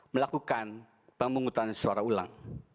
melakukan pemungutan suara ulang